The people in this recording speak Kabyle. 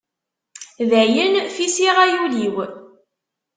Dayen fisiɣ ay ul-iw.